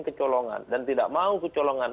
kecolongan dan tidak mau kecolongan